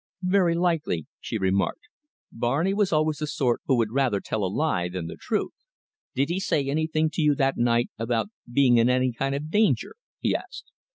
"Very likely," she remarked. "Barney was always the sort who would rather tell a lie than the truth." "Did he say anything to you that night about being in any kind of danger?" he asked.